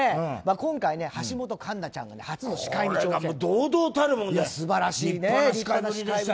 今回、橋本環奈ちゃんが初の司会に挑戦。